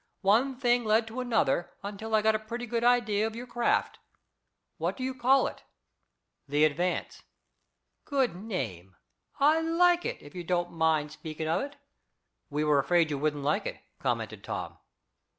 One thing led to another until I got a pretty good idea of your craft. What do you call it?" "The Advance." "Good name. I like it, if you don't mind speaking of it." "We were afraid you wouldn't like it," commented Tom.